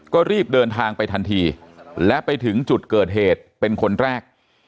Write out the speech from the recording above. ก็รีบเดินทางไปทันทีและไปถึงจุดเกิดเหตุเป็นคนแรก